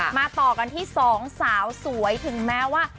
มาต่อกันที่สองสาวสวยถึงแม้ว่า